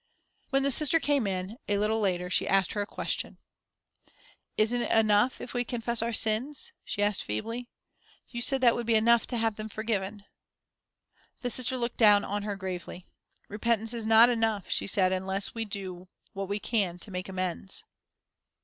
When the Sister came in, a little later, she asked her a question. "Isn't it enough if we confess our sins?" she asked, feebly. "You said that would be enough to have them forgiven." The Sister looked down at her gravely. "Repentance is not enough," she said, "unless we do what we can to make amends."